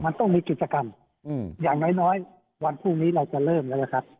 มันต้องมีกิจกรรมอย่างน้อยวันพรุ่งนี้เราจะเริ่มแล้วนะครับ